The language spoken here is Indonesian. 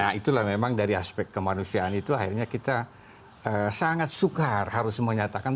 nah itulah memang dari aspek kemanusiaan itu akhirnya kita sangat sukar harus menyatakan